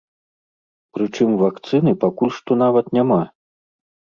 Прычым вакцыны пакуль што нават няма!